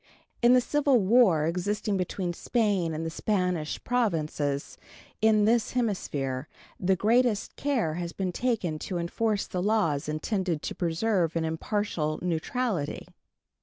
In the civil war existing between Spain and the Spanish Provinces in this hemisphere the greatest care has been taken to enforce the laws intended to preserve an impartial neutrality.